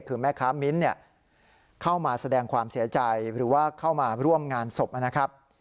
คือแม่ค้ามิ้นเข้ามาแสดงความเสียใจหรือว่าเข้ามาร่วมงานศพนะครับ